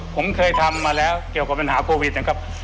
ผมเคยทำมาแล้วเกี่ยวกับปัญหาโควิดนะครับ